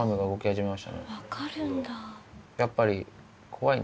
やっぱり。